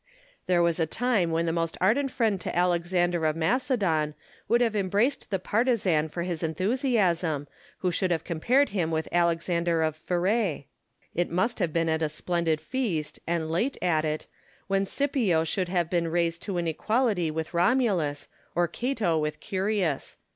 There was a time when the most ardent friend to Alexander of Macedon would have embraced the partisan for his enthusiasm, who should have compared him with Alexander of Pherte. It must have been at a splendid feast, and late at it, when Scipio should have been raised to an equality with Romulus, or Cato with Ourius.